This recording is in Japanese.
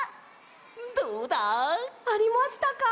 どうだ？ありましたか？